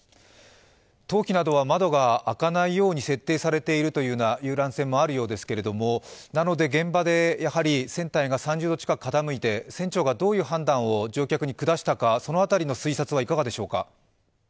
冬季などは窓が開かないように設定されている遊覧船もあるようですけれども、なので現場で船体が３０度近く傾いて船長がどういう判断を乗客に下したか、その辺りの推察はいかがでしょうか。